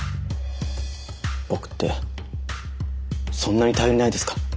僕ってそんなに頼りないですか？